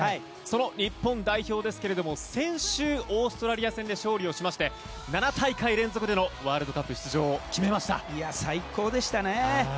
その日本代表ですが先週、オーストラリア戦で勝利をしまして７大会連続でのワールドカップ出場を最高でしたね。